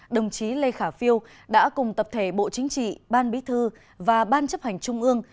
đồng chí lê khả phiêu đã cùng tập thể bộ chính trị ban bí thư và ban chấp hành trung ương